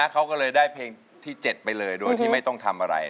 เขาก็เลยได้เพลงที่๗ไปเลยโดยที่ไม่ต้องทำอะไร